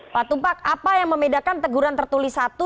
pak tumpak apa yang membedakan teguran tertulis satu